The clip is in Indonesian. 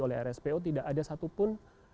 oleh rspo tidak ada satupun